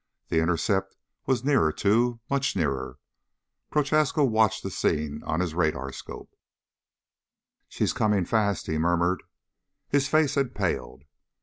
The intercept was nearer, too. Much nearer. Prochaska watched the scene on his radarscope. "She's coming fast," he murmured. His face had paled.